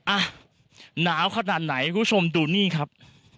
อ่ะหนาวขนาดไหนคุณผู้ชมดูนี่ครับ